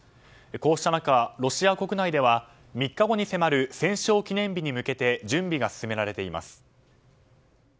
こうした中ロシア国内では３日後に迫る戦勝記念日に向けて準備が進められています。